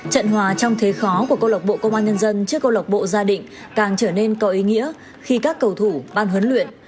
trận hòa trong thế khó của công lộc bộ công an nhân dân trước công lộc bộ gia đình càng trở nên cầu ý nghĩa khi các cầu thủ ban huấn luyện